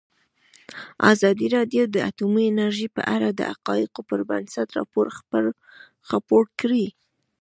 ازادي راډیو د اټومي انرژي په اړه د حقایقو پر بنسټ راپور خپور کړی.